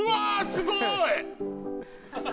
すごい！